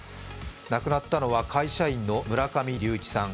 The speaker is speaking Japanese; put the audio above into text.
亡くなったのは会社員の村上隆一さん。